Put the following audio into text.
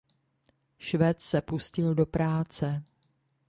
Švec se pustil do práce.